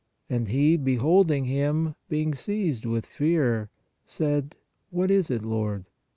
And he, beholding him, being seized with fear, said: What is it, Lord?